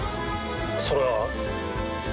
それは。